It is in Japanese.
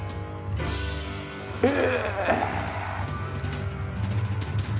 ええ。